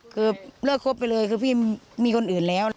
คือเลิกครบไปเลยคือพี่มีคนอื่นแล้ว